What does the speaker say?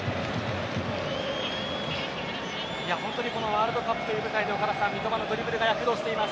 本当にワールドカップという舞台で岡田さん三笘のドリブルが躍動しています。